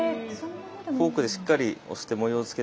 フォークでしっかり押して模様をつけて。